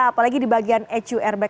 apalagi di bagian eq airbag